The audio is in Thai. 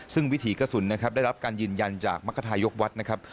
ซึ่งวิถีกระสุนนะครับได้รับการยืนยันจากมรรคทายกวัดนะครับ